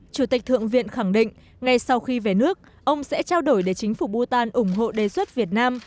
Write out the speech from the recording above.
chủ tịch thượng viện khẳng định ngay sau khi về nước ông sẽ trao đổi để chính phủ bhutan ủng hộ đề xuất việt nam